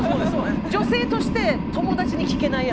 女性として友達に聞けないやつだから。